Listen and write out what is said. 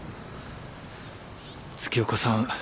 月岡さん